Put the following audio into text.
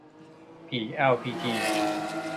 ผีแอลพีจี